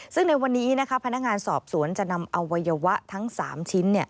ซึ่งในวันนี้พนักงานสอบสวนจะนำอวัยวะทั้ง๓ชิ้น